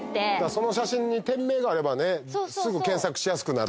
その写真に店名があればねすぐ検索しやすくなるんで。